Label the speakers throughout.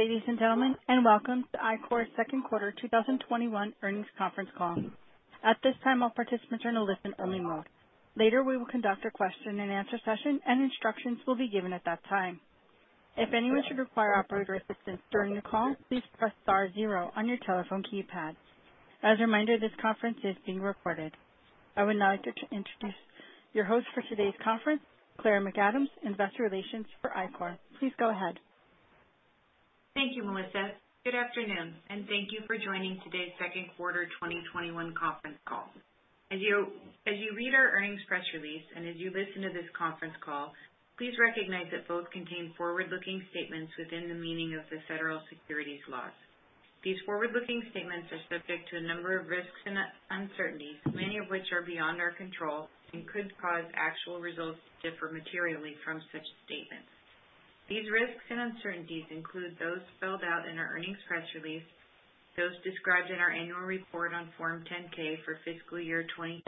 Speaker 1: Ladies and gentlemen, welcome to Ichor's second quarter 2021 earnings conference call. At this time all participants are on an listen-only mode. Later we will conduct a question and answer session and instructions will be given at that time. If anyone should require further assistance during this call please press star zero on your telephone keypad. As a reminder this cconference is being recorded. I would now like to introduce your host for today's conference, Claire McAdams, investor relations for Ichor. Please go ahead.
Speaker 2: Thank you, Melissa. Good afternoon, and thank you for joining today's second quarter 2021 conference call. As you read our earnings press release and as you listen to this conference call, please recognize that both contain forward-looking statements within the meaning of the federal securities laws. These forward-looking statements are subject to a number of risks and uncertainties, many of which are beyond our control and could cause actual results to differ materially from such statements. These risks and uncertainties include those spelled out in our earnings press release, those described in our annual report on Form 10-K for fiscal year 2020,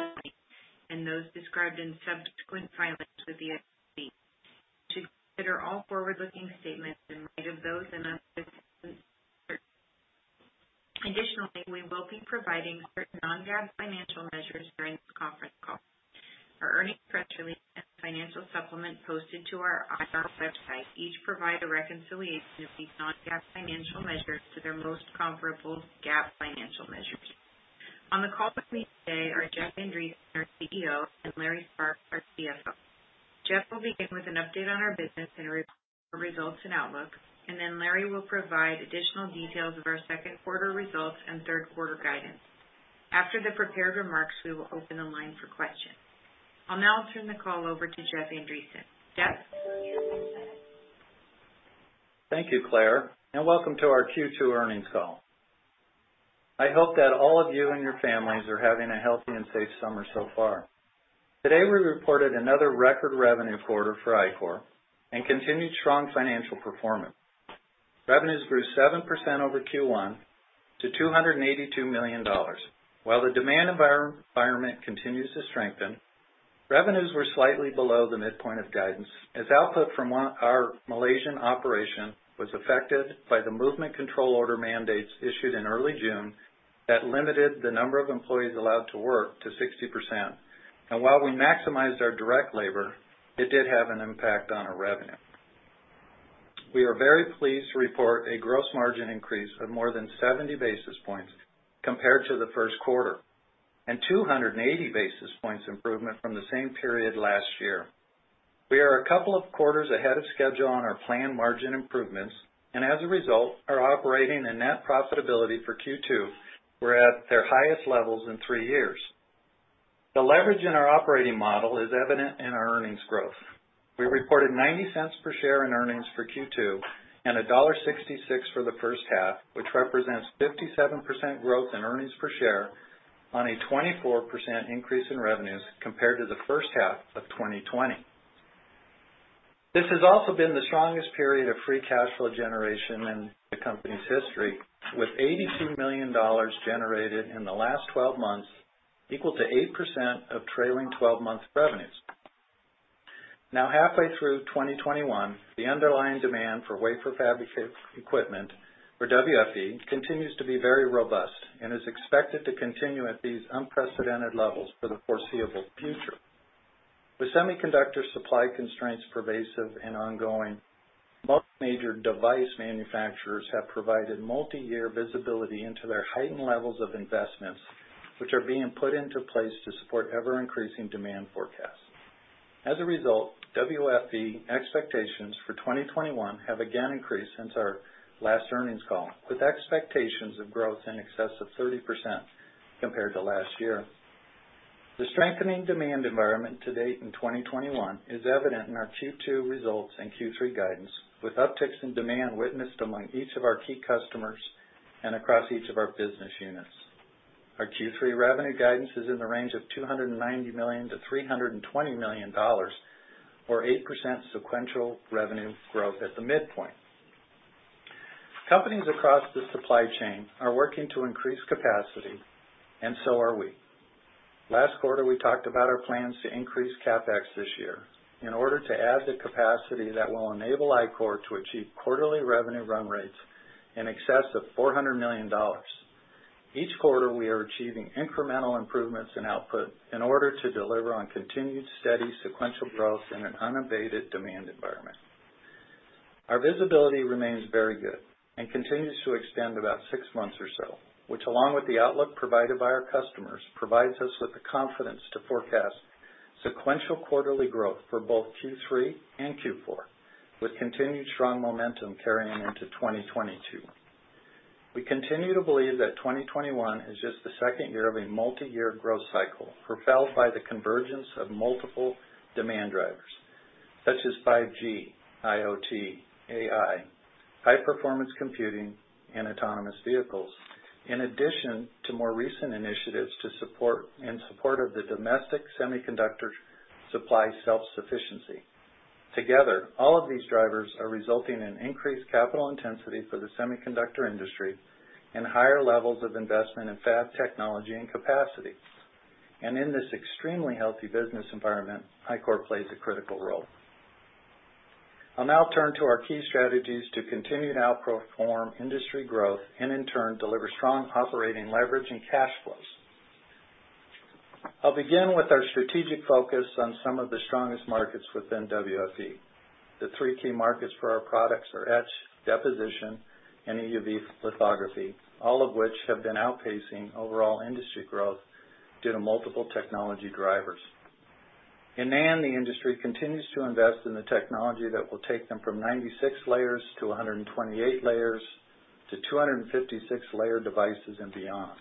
Speaker 2: and those described in subsequent filings with the SEC. You should consider all forward-looking statements in light of those and other risks and uncertainties. Additionally, we will be providing certain non-GAAP financial measures during this conference call. Our earnings press release and financial supplement posted to our IR website each provide a reconciliation of these non-GAAP financial measures to their most comparable GAAP financial measures. On the call with me today are Jeff Andreson, our CEO, and Larry Sparks, our CFO. Jeff will begin with an update on our business and our results and outlook. Then Larry will provide additional details of our second quarter results and third quarter guidance. After the prepared remarks, we will open the line for questions. I'll now turn the call over to Jeff Andreson. Jeff, it's your turn.
Speaker 3: Thank you, Claire, and welcome to our Q2 earnings call. I hope that all of you and your families are having a healthy and safe summer so far. Today, we reported another record revenue quarter for Ichor and continued strong financial performance. Revenues grew 7% over Q1 to $282 million. While the demand environment continues to strengthen, revenues were slightly below the midpoint of guidance as output from one of our Malaysian operation was affected by the Movement Control Order mandates issued in early June that limited the number of employees allowed to work to 60%. While we maximized our direct labor, it did have an impact on our revenue. We are very pleased to report a gross margin increase of more than 70 basis points compared to the first quarter, and 280 basis points improvement from the same period last year. We are a couple of quarters ahead of schedule on our planned margin improvements, and as a result, our operating and net profitability for Q2 were at their highest levels in three years. The leverage in our operating model is evident in our earnings growth. We reported $0.90 per share in earnings for Q2 and $1.66 for the first half, which represents 57% growth in earnings per share on a 24% increase in revenues compared to the first half of 2020. This has also been the strongest period of free cash flow generation in the company's history, with $82 million generated in the last 12 months, equal to 8% of trailing 12 months revenues. Now, halfway through 2021, the underlying demand for wafer fabrication equipment, or WFE, continues to be very robust and is expected to continue at these unprecedented levels for the foreseeable future. With semiconductor supply constraints pervasive and ongoing, most major device manufacturers have provided multi-year visibility into their heightened levels of investments, which are being put into place to support ever-increasing demand forecasts. As a result, WFE expectations for 2021 have again increased since our last earnings call, with expectations of growth in excess of 30% compared to last year. The strengthening demand environment to-date in 2021 is evident in our Q2 results and Q3 guidance, with upticks in demand witnessed among each of our key customers and across each of our business units. Our Q3 revenue guidance is in the range of $290 million-$320 million, or 8% sequential revenue growth at the midpoint. Companies across the supply chain are working to increase capacity, and so are we. Last quarter, we talked about our plans to increase CapEx this year in order to add the capacity that will enable Ichor to achieve quarterly revenue run rates in excess of $400 million. Each quarter, we are achieving incremental improvements in output in order to deliver on continued steady sequential growth in an unabated demand environment. Our visibility remains very good and continues to extend about six months or so, which along with the outlook provided by our customers, provides us with the confidence to forecast sequential quarterly growth for both Q3 and Q4, with continued strong momentum carrying into 2022. We continue to believe that 2021 is just the second year of a multi-year growth cycle propelled by the convergence of multiple demand drivers, such as 5G, IoT, AI, high-performance computing, and autonomous vehicles, in addition to more recent initiatives in support of the domestic semiconductor supply self-sufficiency. Together, all of these drivers are resulting in increased capital intensity for the semiconductor industry and higher levels of investment in fab technology and capacity. In this extremely healthy business environment, Ichor plays a critical role. I'll now turn to our key strategies to continue to outperform industry growth and in turn deliver strong operating leverage and cash flows. I'll begin with our strategic focus on some of the strongest markets within WFE. The three key markets for our products are etch, deposition, and EUV lithography, all of which have been outpacing overall industry growth due to multiple technology drivers. In NAND, the industry continues to invest in the technology that will take them from 96 layers to 128 layers to 256-layer devices and beyond.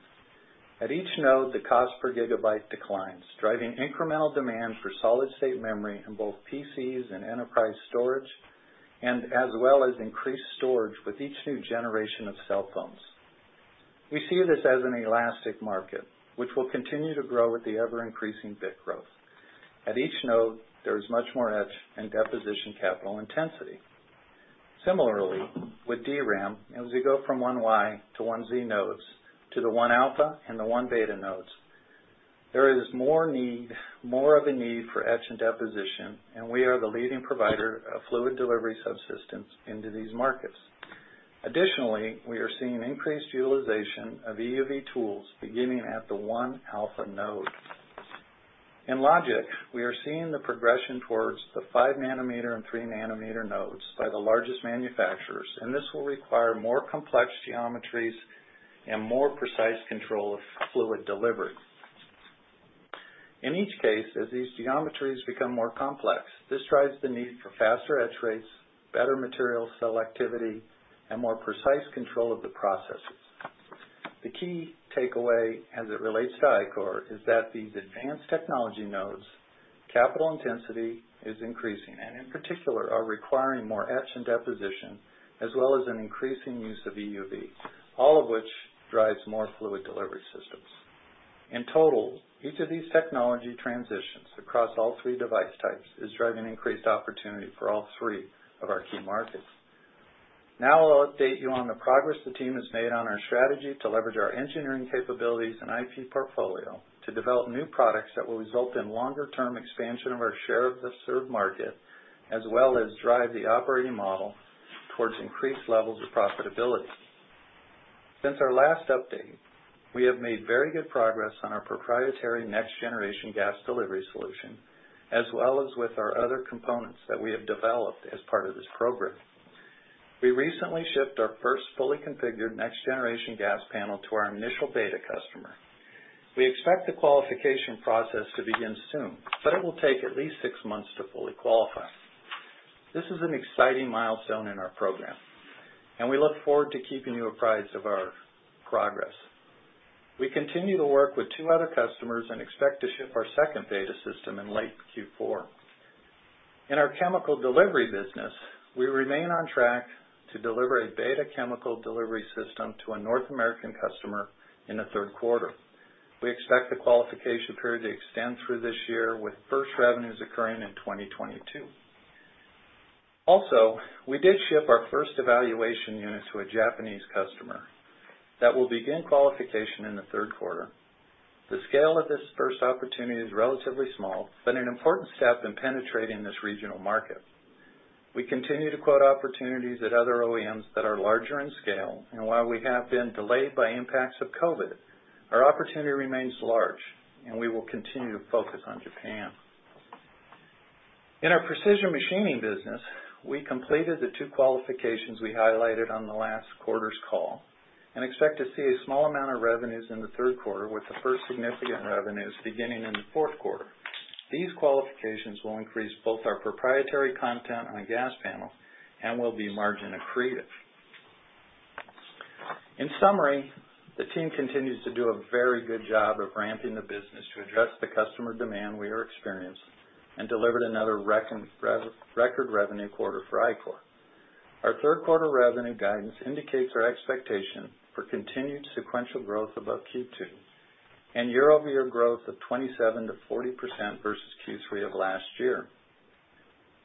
Speaker 3: At each node, the cost per gigabyte declines, driving incremental demand for solid-state memory in both PCs and enterprise storage and as well as increased storage with each new generation of cell phones. We see this as an elastic market, which will continue to grow with the ever-increasing bit growth. At each node, there is much more etch and deposition capital intensity. Similarly, with DRAM, as we go from 1Y to 1Z nodes to the 1-alpha and the 1-beta nodes, there is more of a need for etch and deposition, and we are the leading provider of fluid delivery subsystems into these markets. Additionally, we are seeing increased utilization of EUV tools beginning at the 1-alpha node. In logic, we are seeing the progression towards the 5 nm and 3 nm nodes by the largest manufacturers, and this will require more complex geometries and more precise control of fluid delivery. In each case, as these geometries become more complex, this drives the need for faster etch rates, better material selectivity, and more precise control of the processes. The key takeaway as it relates to Ichor is that these advanced technology nodes, capital intensity is increasing, and in particular, are requiring more etch and deposition, as well as an increasing use of EUV, all of which drives more fluid delivery systems. In total, each of these technology transitions across all three device types is driving increased opportunity for all three of our key markets. I'll update you on the progress the team has made on our strategy to leverage our engineering capabilities and IP portfolio to develop new products that will result in longer-term expansion of our share of the served market, as well as drive the operating model towards increased levels of profitability. Since our last update, we have made very good progress on our proprietary next generation gas delivery solution, as well as with our other components that we have developed as part of this program. We recently shipped our first fully configured next generation gas panel to our initial beta customer. We expect the qualification process to begin soon, it will take at least six months to fully qualify. This is an exciting milestone in our program, we look forward to keeping you apprised of our progress. We continue to work with two other customers and expect to ship our second beta system in late Q4. In our chemical delivery business, we remain on track to deliver a beta chemical delivery system to a North American customer in the third quarter. We expect the qualification period to extend through this year, with first revenues occurring in 2022. Also, we did ship our first evaluation unit to a Japanese customer that will begin qualification in the third quarter. The scale of this first opportunity is relatively small, but an important step in penetrating this regional market. We continue to quote opportunities at other OEMs that are larger in scale, and while we have been delayed by impacts of COVID, our opportunity remains large, and we will continue to focus on Japan. In our precision machining business, we completed the two qualifications we highlighted on the last quarter's call and expect to see a small amount of revenues in the third quarter, with the first significant revenues beginning in the fourth quarter. These qualifications will increase both our proprietary content on a gas panel and will be margin accretive. In summary, the team continues to do a very good job of ramping the business to address the customer demand we are experiencing and delivered another record revenue quarter for Ichor. Our third quarter revenue guidance indicates our expectation for continued sequential growth above Q2 and year-over-year growth of 27%-40% versus Q3 of last year.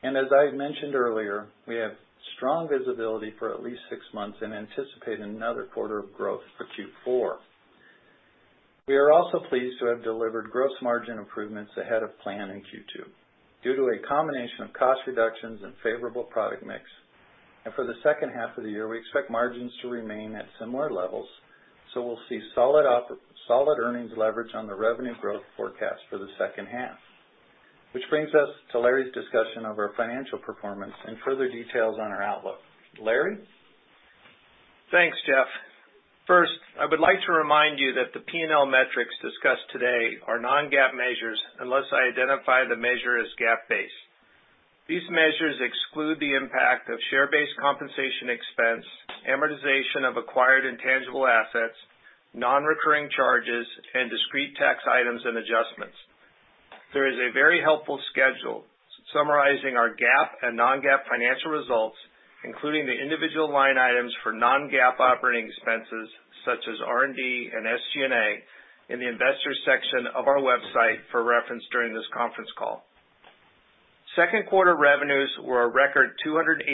Speaker 3: As I mentioned earlier, we have strong visibility for at least six months and anticipate another quarter of growth for Q4. We are also pleased to have delivered gross margin improvements ahead of plan in Q2 due to a combination of cost reductions and favorable product mix. For the second half of the year, we expect margins to remain at similar levels, so we'll see solid earnings leverage on the revenue growth forecast for the second half. Which brings us to Larry's discussion of our financial performance and further details on our outlook. Larry?
Speaker 4: Thanks, Jeff. First, I would like to remind you that the P&L metrics discussed today are non-GAAP measures unless I identify the measure as GAAP-based. These measures exclude the impact of share-based compensation expense, amortization of acquired intangible assets, non-recurring charges, and discrete tax items and adjustments. There is a very helpful schedule summarizing our GAAP and non-GAAP financial results, including the individual line items for non-GAAP operating expenses such as R&D and SG&A in the Investors section of our website for reference during this conference call. Second quarter revenues were a record $282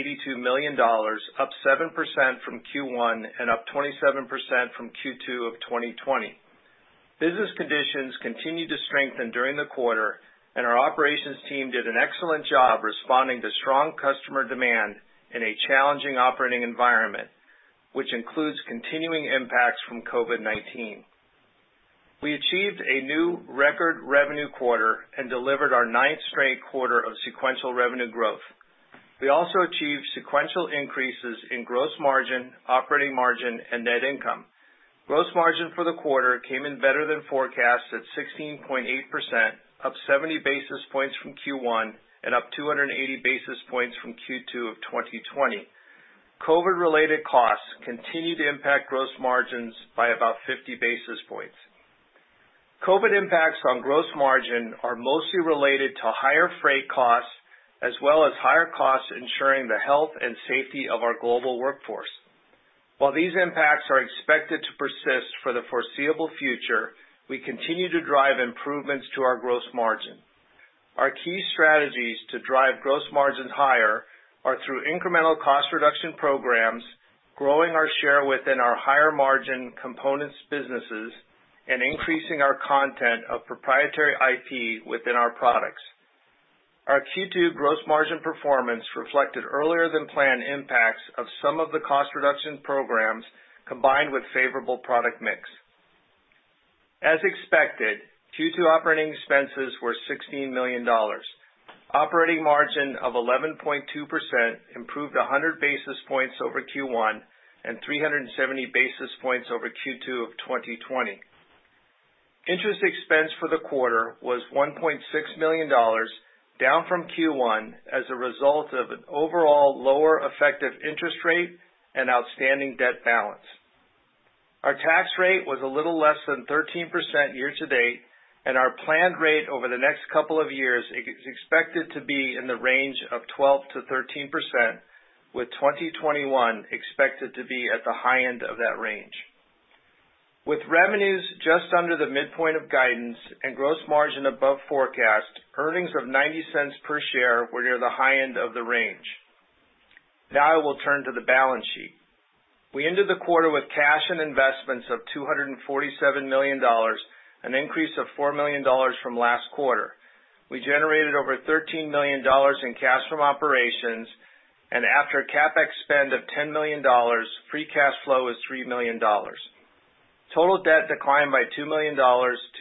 Speaker 4: million, up 7% from Q1 and up 27% from Q2 of 2020. Business conditions continued to strengthen during the quarter, and our operations team did an excellent job responding to strong customer demand in a challenging operating environment, which includes continuing impacts from COVID-19. We achieved a new record revenue quarter and delivered our ninth straight quarter of sequential revenue growth. We also achieved sequential increases in gross margin, operating margin, and net income. Gross margin for the quarter came in better than forecast at 16.8%, up 70 basis points from Q1 and up 280 basis points from Q2 of 2020. COVID-related costs continue to impact gross margins by about 50 basis points. COVID impacts on gross margin are mostly related to higher freight costs, as well as higher costs ensuring the health and safety of our global workforce. While these impacts are expected to persist for the foreseeable future, we continue to drive improvements to our gross margin. Our key strategies to drive gross margins higher are through incremental cost reduction programs, growing our share within our higher margin components businesses, and increasing our content of proprietary IP within our products. Our Q2 gross margin performance reflected earlier than planned impacts of some of the cost reduction programs, combined with favorable product mix. As expected, Q2 operating expenses were $16 million. Operating margin of 11.2% improved 100 basis points over Q1 and 370 basis points over Q2 of 2020. Interest expense for the quarter was $1.6 million, down from Q1 as a result of an overall lower effective interest rate and outstanding debt balance. Our tax rate was a little less than 13% year-to-date, and our planned rate over the next couple of years is expected to be in the range of 12%-13%, with 2021 expected to be at the high end of that range. With revenues just under the midpoint of guidance and gross margin above forecast, earnings of $0.90 per share were near the high end of the range. Now I will turn to the balance sheet. We ended the quarter with cash and investments of $247 million, an increase of $4 million from last quarter. We generated over $13 million in cash from operations, and after CapEx spend of $10 million, free cash flow is $3 million. Total debt declined by $2 million to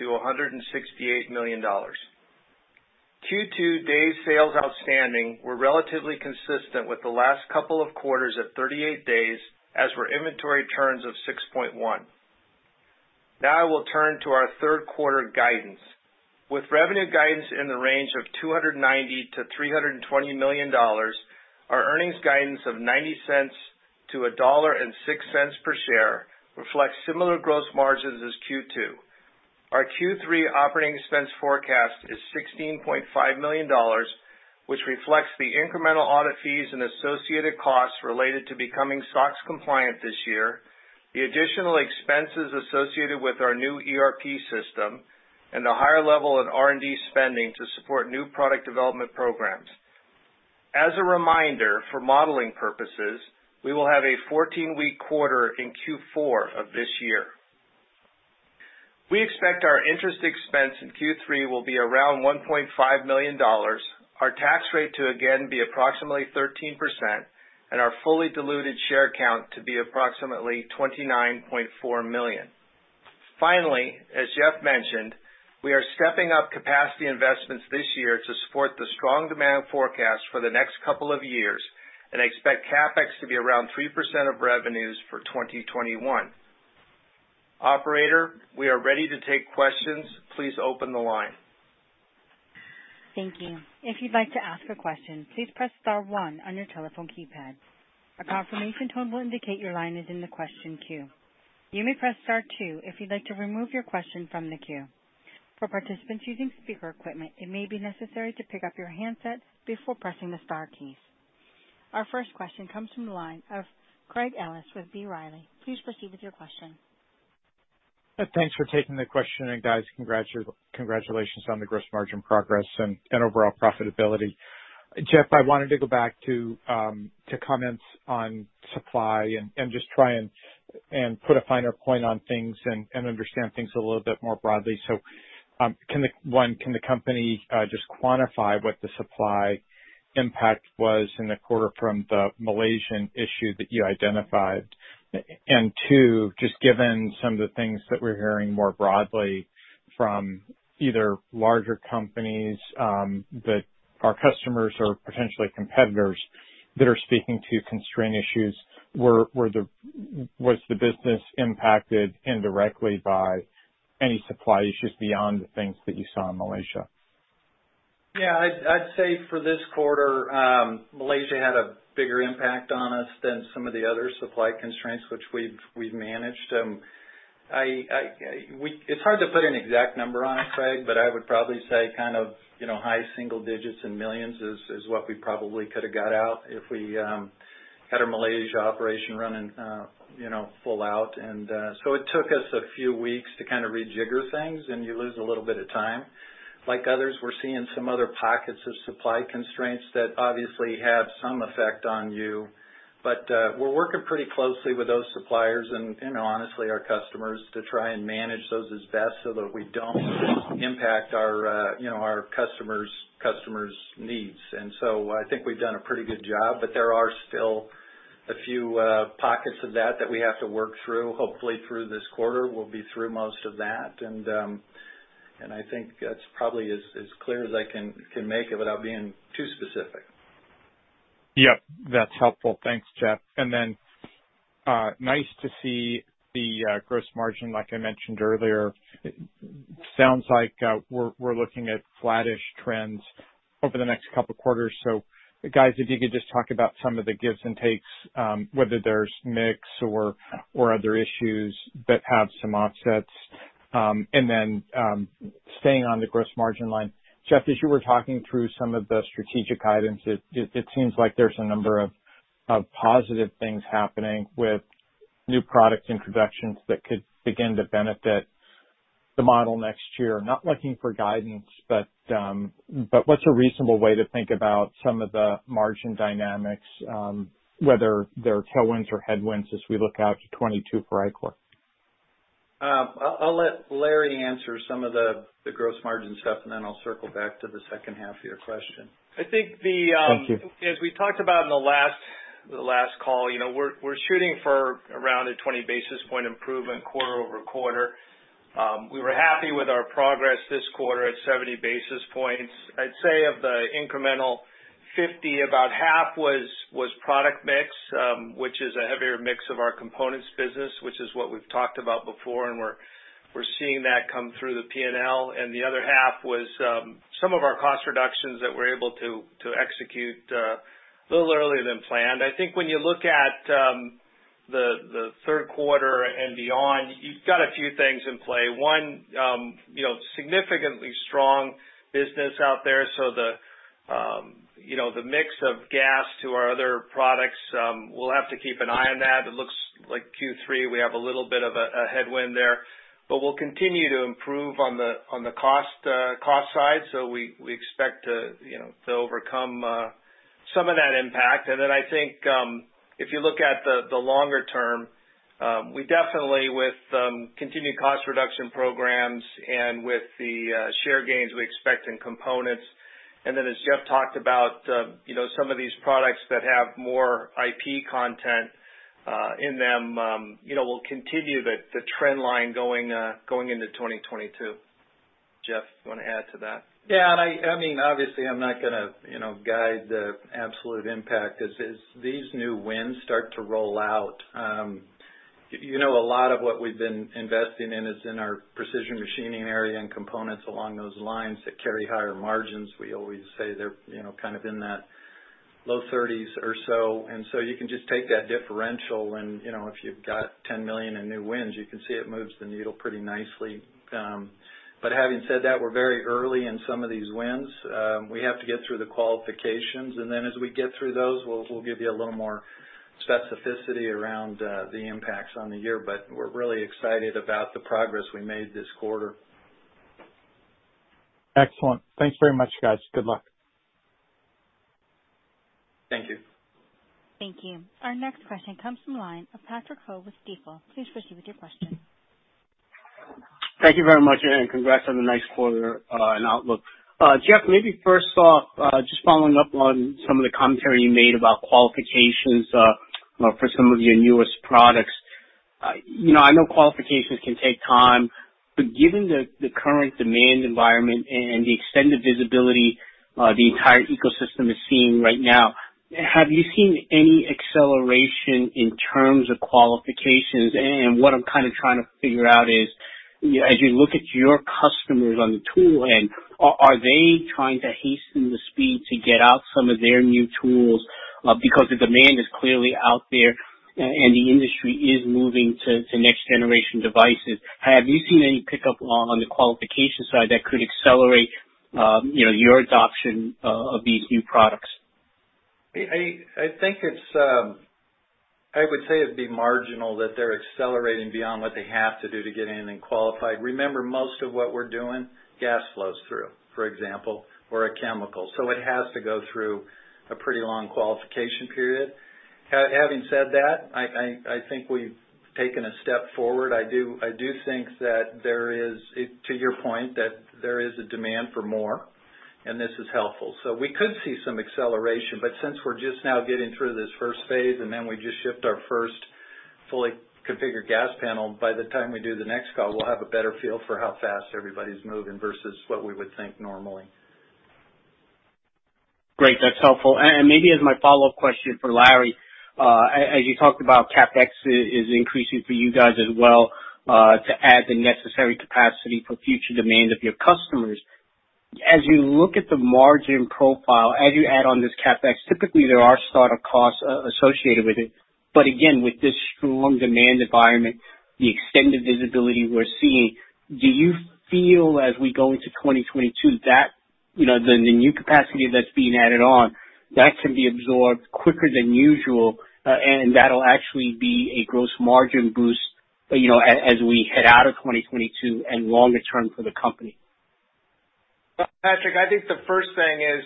Speaker 4: $168 million. Q2 days sales outstanding were relatively consistent with the last couple of quarters at 38 days, as were inventory turns of 6.1. Now I will turn to our third quarter guidance. With revenue guidance in the range of $290 million-$320 million, our earnings guidance of $0.90-$1.06 per share reflects similar gross margins as Q2. Our Q3 operating expense forecast is $16.5 million, which reflects the incremental audit fees and associated costs related to becoming SOX compliant this year, the additional expenses associated with our new ERP system, and a higher level of R&D spending to support new product development programs. As a reminder, for modeling purposes, we will have a 14-week quarter in Q4 of this year. We expect our interest expense in Q3 will be around $1.5 million, our tax rate to again be approximately 13%, and our fully diluted share count to be approximately 29.4 million. Finally, as Jeff mentioned, we are stepping up capacity investments this year to support the strong demand forecast for the next couple of years and expect CapEx to be around 3% of revenues for 2021. Operator, we are ready to take questions. Please open the line.
Speaker 1: Thank you. If you'd like to ask a question, please press star one on your telephone keypad. A confirmation tone will indicate your line is in the question queue. You may press star two if you'd like to remove your question from the queue. For participants using speaker equipment, it may be necessary to pick up your handset before pressing the star keys. Our first question comes from the line of Craig Ellis with B. Riley. Please proceed with your question.
Speaker 5: Thanks for taking the question, guys, congratulations on the gross margin progress and overall profitability. Jeff, I wanted to go back to comments on supply and just try and put a finer point on things and understand things a little bit more broadly. One, can the company just quantify what the supply impact was in the quarter from the Malaysian issue that you identified? Two, just given some of the things that we're hearing more broadly from either larger companies that are customers or potentially competitors that are speaking to constraint issues, was the business impacted indirectly by any supply issues beyond the things that you saw in Malaysia?
Speaker 4: I'd say for this quarter, Malaysia had a bigger impact on us than some of the other supply constraints, which we've managed. It's hard to put an exact number on it, Craig, but I would probably say high single digits in millions is what we probably could have got out if we had our Malaysia operation running full out. It took us a few weeks to rejigger things, and you lose a little bit of time.
Speaker 3: Like others, we're seeing some other pockets of supply constraints that obviously have some effect on you. We're working pretty closely with those suppliers and honestly, our customers, to try and manage those as best so that we don't impact our customers' needs. I think we've done a pretty good job, but there are still a few pockets of that that we have to work through. Hopefully, through this quarter, we'll be through most of that. I think that's probably as clear as I can make it without being too specific.
Speaker 5: Yep, that's helpful. Thanks, Jeff. Nice to see the gross margin, like I mentioned earlier. It sounds like we're looking at flattish trends over the next couple of quarters. Guys, if you could just talk about some of the gives and takes, whether there's mix or other issues that have some offsets. Staying on the gross margin line, Jeff, as you were talking through some of the strategic items, it seems like there's a number of positive things happening with new product introductions that could begin to benefit the model next year. Not looking for guidance, what's a reasonable way to think about some of the margin dynamics, whether they're tailwinds or headwinds, as we look out to 2022 for Ichor?
Speaker 3: I'll let Larry answer some of the gross margin stuff, and then I'll circle back to the second half of your question.
Speaker 5: Thank you.
Speaker 4: I think as we talked about in the last call, we're shooting for around a 20 basis point improvement quarter-over-quarter. We were happy with our progress this quarter at 70 basis points. I'd say of the incremental 50, about half was product mix, which is a heavier mix of our components business, which is what we've talked about before, we're seeing that come through the P&L. The other half was some of our cost reductions that we're able to execute a little earlier than planned. I think when you look at the third quarter and beyond, you've got a few things in play. One, significantly strong business out there. The mix of gas to our other products, we'll have to keep an eye on that. It looks like Q3, we have a little bit of a headwind there. We'll continue to improve on the cost side. We expect to overcome some of that impact. I think, if you look at the longer term, we definitely, with continued cost reduction programs and with the share gains we expect in components, and then as Jeff talked about, some of these products that have more IP content in them will continue the trend line going into 2022. Jeff, you want to add to that?
Speaker 3: Obviously, I'm not going to guide the absolute impact. As these new wins start to roll out, a lot of what we've been investing in is in our precision machining area and components along those lines that carry higher margins. We always say they're kind of in that low 30s or so. You can just take that differential and if you've got $10 million in new wins, you can see it moves the needle pretty nicely. Having said that, we're very early in some of these wins. We have to get through the qualifications, and then as we get through those, we'll give you a little more specificity around the impacts on the year. We're really excited about the progress we made this quarter.
Speaker 5: Excellent. Thanks very much, guys. Good luck.
Speaker 4: Thank you.
Speaker 1: Thank you. Our next question comes from the line of Patrick Ho with Stifel. Please proceed with your question.
Speaker 6: Thank you very much. Congrats on a nice quarter and outlook. Jeff, maybe first off, just following up on some of the commentary you made about qualifications for some of your newest products. I know qualifications can take time, but given the current demand environment and the extended visibility the entire ecosystem is seeing right now, have you seen any acceleration in terms of qualifications? What I'm kind of trying to figure out is, as you look at your customers on the tool end, are they trying to hasten the speed to get out some of their new tools? The demand is clearly out there, and the industry is moving to next generation devices. Have you seen any pickup on the qualification side that could accelerate your adoption of these new products?
Speaker 3: I would say it'd be marginal that they're accelerating beyond what they have to do to get in and qualified. Remember, most of what we're doing, gas flows through, for example, or a chemical. It has to go through a pretty long qualification period. Having said that, I think we've taken a step forward. I do think that there is, to your point, that there is a demand for more, and this is helpful. We could see some acceleration, but since we're just now getting through this first phase, and then we just shipped our first fully configured gas panel, by the time we do the next call, we'll have a better feel for how fast everybody's moving versus what we would think normally.
Speaker 6: Great. That's helpful. Maybe as my follow-up question for Larry, as you talked about, CapEx is increasing for you guys as well to add the necessary capacity for future demand of your customers. As you look at the margin profile, as you add on this CapEx, typically there are startup costs associated with it. Again, with this strong demand environment, the extended visibility we're seeing, do you feel as we go into 2022 that, you know, the new capacity that's being added on, that can be absorbed quicker than usual, and that'll actually be a gross margin boost as we head out of 2022 and longer term for the company.
Speaker 4: Patrick, I think the first thing is,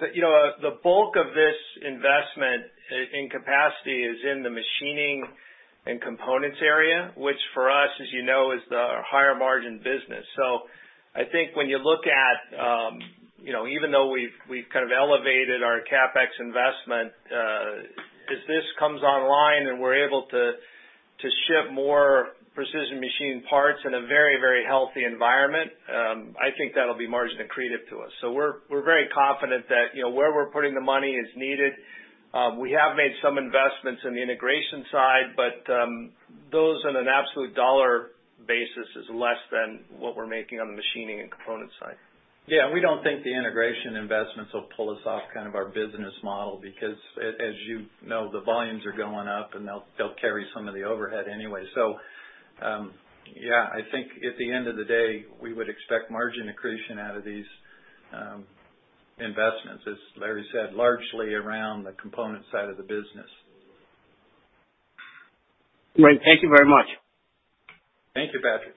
Speaker 4: the bulk of this investment in capacity is in the machining and components area, which for us, as you know, is the higher margin business. I think when you look at, even though we've kind of elevated our CapEx investment, as this comes online and we're able to ship more precision machine parts in a very healthy environment, I think that'll be margin accretive to us. We're very confident that where we're putting the money is needed. We have made some investments in the integration side, those on an absolute dollar basis is less than what we're making on the machining and component side.
Speaker 3: We don't think the integration investments will pull us off kind of our business model, because as you know, the volumes are going up, and they'll carry some of the overhead anyway. I think at the end of the day, we would expect margin accretion out of these investments, as Larry said, largely around the component side of the business.
Speaker 6: Great. Thank you very much.
Speaker 3: Thank you, Patrick.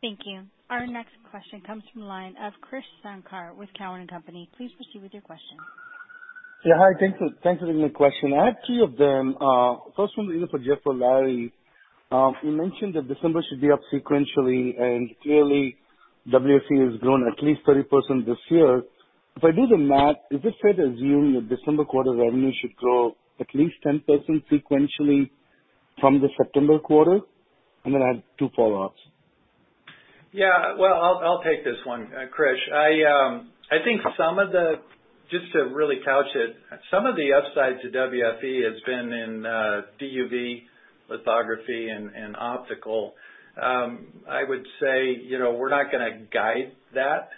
Speaker 1: Thank you. Our next question comes from the line of Krish Sankar with Cowen and Company. Please proceed with your question.
Speaker 7: Yeah. Hi. Thanks for taking my question. I have three of them. First one either for Jeff or Larry. You mentioned that December should be up sequentially, and clearly WFE has grown at least 30% this year. If I do the math, is it fair to assume that December quarter revenue should grow at least 10% sequentially from the September quarter? Then I have two follow-ups.
Speaker 3: Well, I'll take this one, Krish. Just to really couch it, some of the upside to WFE has been in DUV lithography and optical. I would say we're not going to guide that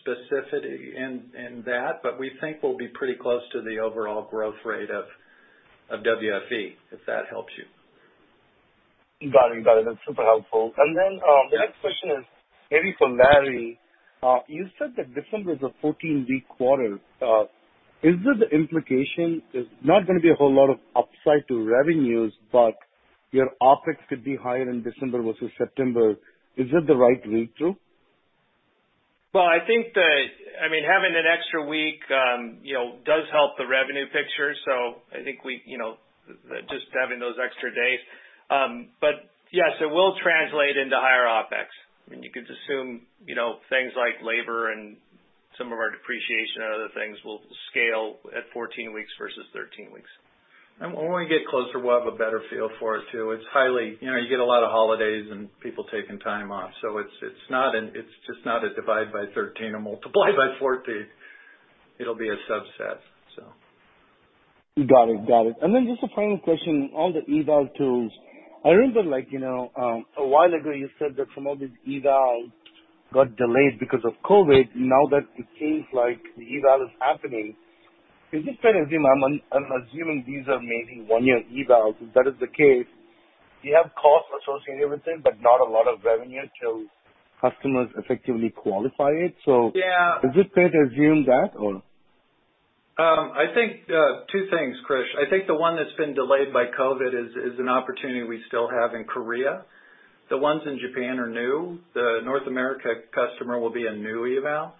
Speaker 3: specifically in that, but we think we'll be pretty close to the overall growth rate of WFE, if that helps you.
Speaker 7: Got it. That's super helpful. The next question is maybe for Larry. You said that December is a 14-week quarter. Is it the implication there's not going to be a whole lot of upside to revenues, but your OpEx could be higher in December versus September? Is that the right read too?
Speaker 4: I think that having an extra week does help the revenue picture, so I think just having those extra days. Yes, it will translate into higher OpEx. You could assume things like labor and some of our depreciation and other things will scale at 14 weeks versus 13 weeks.
Speaker 3: When we get closer, we'll have a better feel for it, too. You get a lot of holidays and people taking time off. It's just not a divide by 13 or multiply by 14. It'll be a subset.
Speaker 7: Got it. Then just a final question on the eval tools. I remember a while ago you said that some of these evals got delayed because of COVID. Now that it seems like the eval is happening, is it fair to assume, I'm assuming these are maybe one-year evals, if that is the case, you have costs associated with it, but not a lot of revenue till customers effectively qualify it-
Speaker 3: Yeah...
Speaker 7: is it fair to assume that?
Speaker 4: Two things, Krish. I think the one that's been delayed by COVID is an opportunity we still have in Korea. The ones in Japan are new. The North America customer will be a new eval.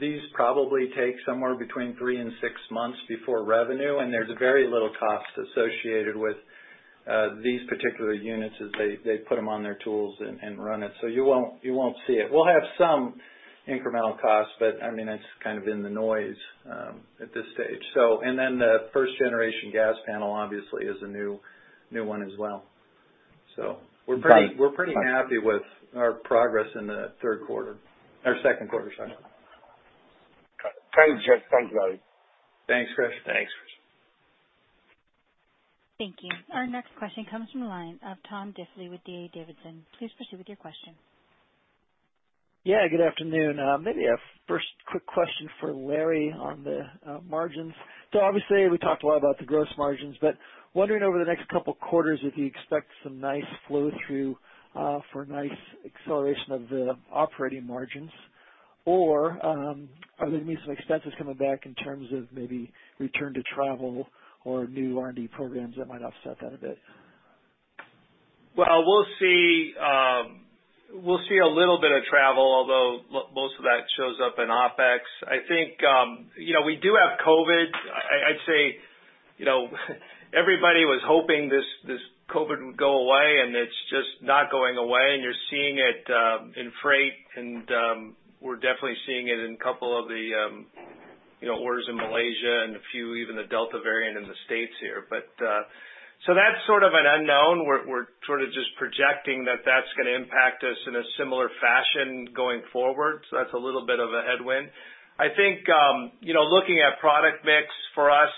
Speaker 4: These probably take somewhere between three and six months before revenue, and there's very little cost associated with these particular units as they put them on their tools and run it. You won't see it. We'll have some incremental costs, but that's kind of in the noise at this stage. The first-generation gas panel obviously is a new one as well. We're pretty happy with our progress in the third quarter, or second quarter, sorry.
Speaker 7: Got it. Thanks, Jeff. Thanks, Larry.
Speaker 4: Thanks, Krish.
Speaker 3: Thanks, Krish.
Speaker 1: Thank you. Our next question comes from the line of Tom Diffely with D.A. Davidson. Please proceed with your question.
Speaker 8: Good afternoon. Maybe a first quick question for Larry on the margins. Obviously, we talked a lot about the gross margins, but wondering over the next couple of quarters if you expect some nice flow-through for nice acceleration of the operating margins, or are there going to be some expenses coming back in terms of maybe return to travel or new R&D programs that might offset that a bit?
Speaker 4: Well, we'll see a little bit of travel, although most of that shows up in OpEx. I think we do have COVID. I'd say everybody was hoping this COVID would go away, and it's just not going away, and you're seeing it in freight, and we're definitely seeing it in couple of the orders in Malaysia and a few, even the Delta variant in the States here. That's sort of an unknown. We're sort of just projecting that that's going to impact us in a similar fashion going forward, so that's a little bit of a headwind. I think looking at product mix for us,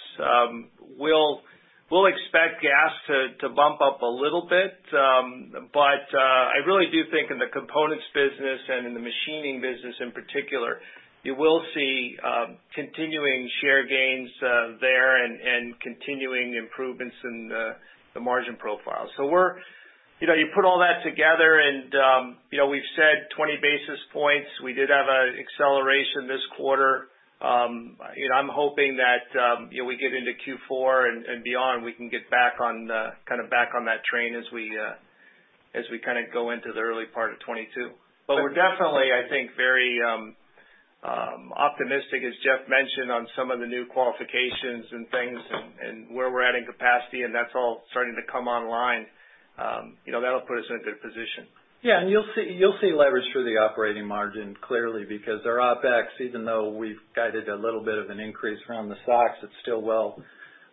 Speaker 4: we'll expect gas to bump up a little bit. I really do think in the components business and in the machining business in particular, you will see continuing share gains there and continuing improvements in the margin profile. You put all that together, we've said 20 basis points. We did have an acceleration this quarter. I'm hoping that we get into Q4 and beyond, we can get back on that train as we go into the early part of 2022. We're definitely, I think, very optimistic, as Jeff mentioned, on some of the new qualifications and things, and where we're adding capacity, and that's all starting to come online. That'll put us in a good position.
Speaker 3: Yeah. You'll see leverage through the operating margin clearly, because our OpEx, even though we've guided a little bit of an increase around the SOX, it's still well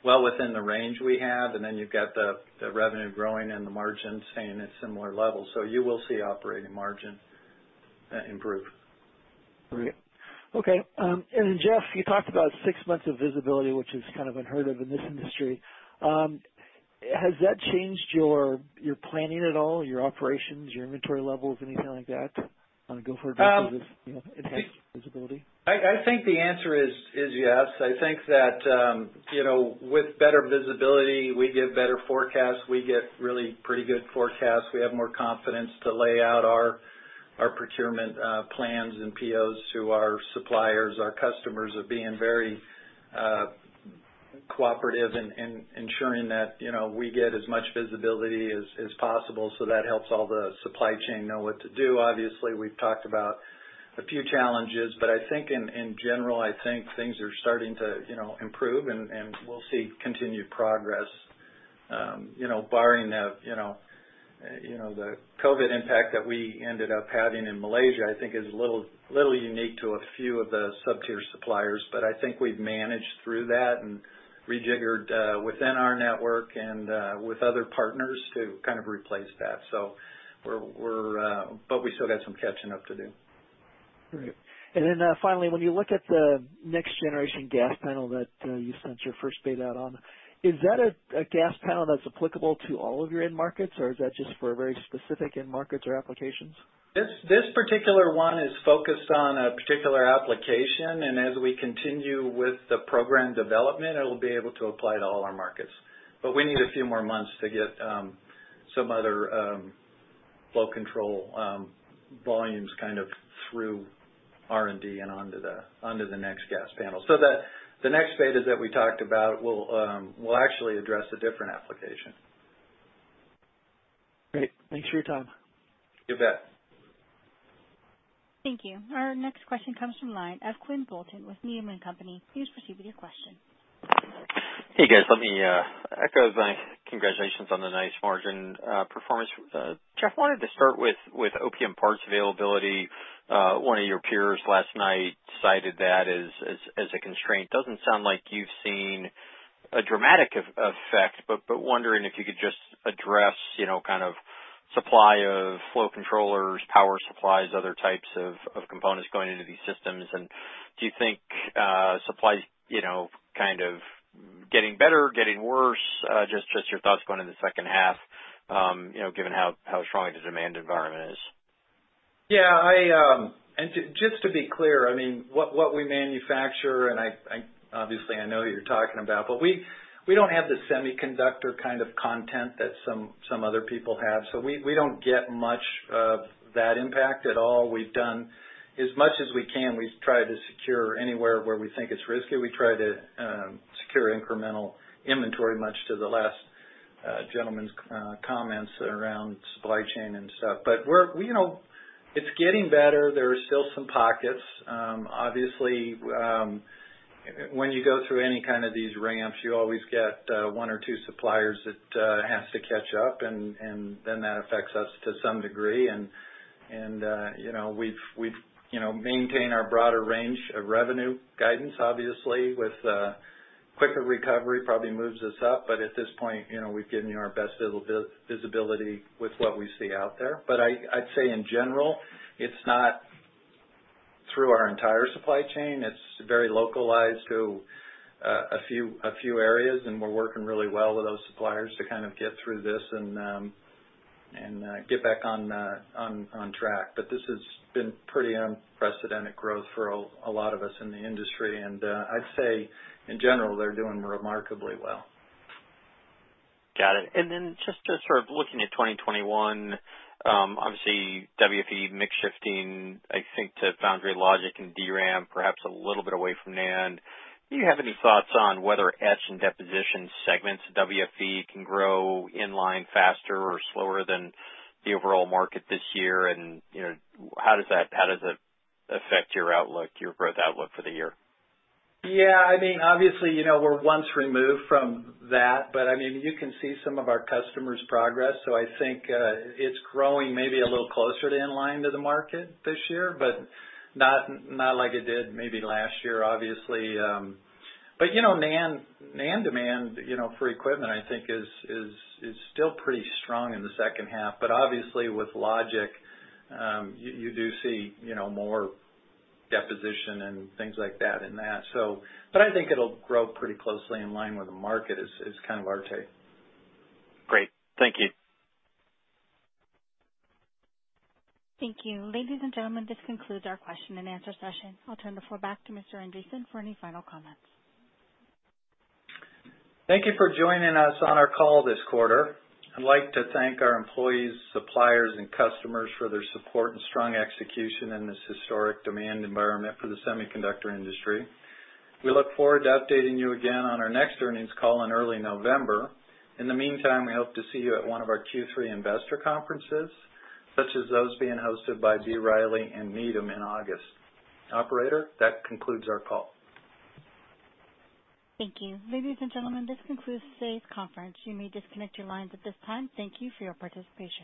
Speaker 3: within the range we have. You've got the revenue growing and the margin staying at similar levels. You will see operating margin improve.
Speaker 8: Great. Okay. Then Jeff, you talked about six months of visibility, which is kind of unheard of in this industry. Has that changed your planning at all, your operations, your inventory levels, anything like that on going forward because of advanced visibility?
Speaker 3: I think the answer is yes. I think that with better visibility, we get better forecasts. We get really pretty good forecasts. We have more confidence to lay out our procurement plans and POs to our suppliers. Our customers are being very cooperative in ensuring that we get as much visibility as possible, that helps all the supply chain know what to do. Obviously, we've talked about a few challenges, I think in general, I think things are starting to improve, and we'll see continued progress. Barring the COVID impact that we ended up having in Malaysia, I think is a little unique to a few of the sub-tier suppliers. I think we've managed through that and rejiggered within our network and with other partners to kind of replace that. We still got some catching up to do.
Speaker 8: Great. Then finally, when you look at the next generation gas panel that you sent your first beta out on, is that a gas panel that's applicable to all of your end markets, or is that just for very specific end markets or applications?
Speaker 3: This particular one is focused on a particular application, and as we continue with the program development, it'll be able to apply to all our markets. We need a few more months to get some other flow control volumes kind of through R&D and onto the next gas panel. The next beta that we talked about will actually address a different application.
Speaker 8: Great. Thanks for your time.
Speaker 3: You bet.
Speaker 1: Thank you. Our next question comes from the line of Quinn Bolton with Needham & Company. Please proceed with your question.
Speaker 9: Hey, guys, let me echo the congratulations on the nice margin performance. Jeff, wanted to start with OEM parts availability. One of your peers last night cited that as a constraint. Doesn't sound like you've seen a dramatic effect, but wondering if you could just address kind of supply of flow controllers, power supplies, other types of components going into these systems, and do you think supply's kind of getting better, getting worse, just your thoughts going in the second half, given how strongly the demand environment is?
Speaker 3: Just to be clear, what we manufacture, and obviously I know what you're talking about, but we don't have the semiconductor kind of content that some other people have. We don't get much of that impact at all. We've done as much as we can. We've tried to secure anywhere where we think it's risky. We try to secure incremental inventory, much to the last gentleman's comments around supply chain and stuff. It's getting better. There are still some pockets. Obviously, when you go through any kind of these ramps, you always get one or two suppliers that has to catch up, then that affects us to some degree. We've maintained our broader range of revenue guidance, obviously, with quicker recovery probably moves us up. At this point, we've given you our best visibility with what we see out there. I'd say in general, it's not through our entire supply chain. It's very localized to a few areas, and we're working really well with those suppliers to kind of get through this and get back on track. This has been pretty unprecedented growth for a lot of us in the industry. I'd say, in general, they're doing remarkably well.
Speaker 9: Got it. Then just sort of looking at 2021, obviously WFE mix shifting, I think, to foundry logic and DRAM, perhaps a little bit away from NAND. Do you have any thoughts on whether etch and deposition segments WFE can grow in line faster or slower than the overall market this year, and how does it affect your growth outlook for the year?
Speaker 3: Yeah. Obviously, we're once removed from that, you can see some of our customers' progress. I think it's growing maybe a little closer to in line to the market this year, not like it did maybe last year, obviously. NAND demand for equipment, I think is still pretty strong in the second half. Obviously with logic, you do see more deposition and things like that in that. I think it'll grow pretty closely in line where the market is kind of our take.
Speaker 9: Great. Thank you.
Speaker 1: Thank you. Ladies and gentlemen, this concludes our question and answer session. I'll turn the floor back to Mr. Andreson for any final comments.
Speaker 3: Thank you for joining us on our call this quarter. I'd like to thank our employees, suppliers, and customers for their support and strong execution in this historic demand environment for the semiconductor industry. We look forward to updating you again on our next earnings call in early November. In the meantime, we hope to see you at one of our Q3 investor conferences, such as those being hosted by B. Riley and Needham in August. Operator, that concludes our call.
Speaker 1: Thank you. Ladies and gentlemen, this concludes today's conference. You may disconnect your lines at this time. Thank you for your participation.